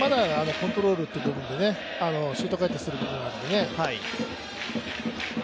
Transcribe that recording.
コントロールという部分で、シュート回転する部分があるんでね。